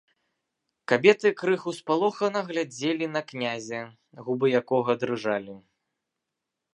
Кабеты крыху спалохана глядзелі на князя, губы якога дрыжалі.